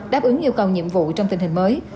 đáp ứng yêu cầu nhiệm vụ trong tình hình mới